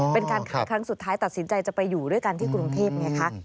เป็นการขายครั้งสุดท้ายตัดสินใจจะไปอยู่ด้วยกันที่กรุงเทพไงคะ